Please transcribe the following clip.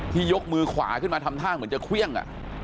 ยกมือขวาขึ้นมาทำท่าเหมือนจะเครื่อง